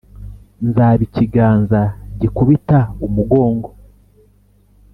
nzaba ikiganza gikubita umugongo